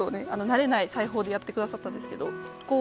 慣れない裁縫でやってくださったんですけど。